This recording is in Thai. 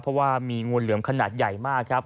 เพราะว่ามีงูเหลือมขนาดใหญ่มากครับ